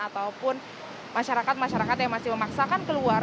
ataupun masyarakat masyarakat yang masih memaksakan keluar